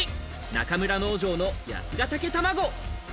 中村農場の八ヶ岳卵。